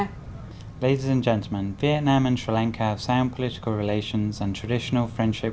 thưa quý vị và các bạn việt nam và sri lanka có quan hệ chính trị hữu nghị và truyền thống tốt đẹp